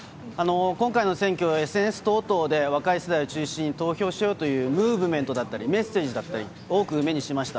今回の選挙、ＳＮＳ等々で、若い世代を中心に投票しようというムーブメントだったり、メッセージだったり、多く目にしました。